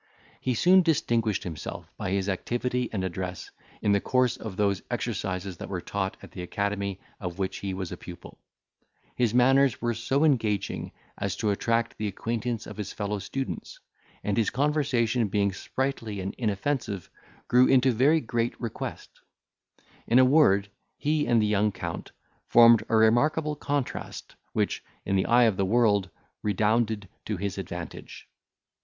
He soon distinguished himself by his activity and address, in the course of those exercises that were taught at the academy of which he was pupil; his manners were so engaging as to attract the acquaintance of his fellow students, and his conversation being sprightly and inoffensive, grew into very great request; in a word, he and the young Count formed a remarkable contrast, which, in the eye of the world, redounded to his advantage.